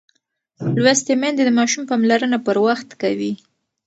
لوستې میندې د ماشوم پاملرنه پر وخت کوي.